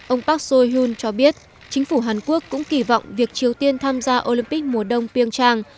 ông park sohun cho biết chính phủ hàn quốc cũng kỳ vọng việc triều tiên tham gia olympic mùa đông piêng trang